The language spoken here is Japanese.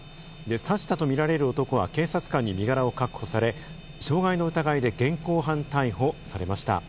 刺したとみられる男は警察官に身柄を確保され、傷害の疑いで現行犯逮捕されました。